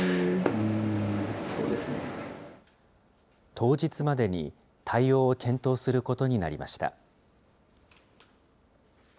当日までに対応を検討することになりました。